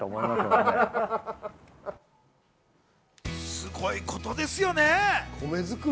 すごいことですよね。